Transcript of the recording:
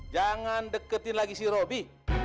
jangan deketin lagi si robby